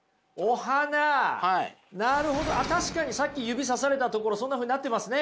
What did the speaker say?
なるほど確かにさっき指さされた所そんなふうになってますね。